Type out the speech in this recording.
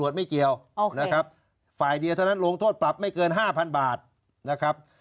ไม่เกี่ยวนะครับฝ่ายเดียวเท่านั้นลงโทษปรับไม่เกินห้าพันบาทนะครับ